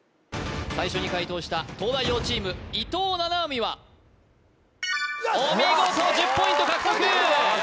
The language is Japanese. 最初に解答した東大王チーム伊藤七海はお見事１０ポイント獲得！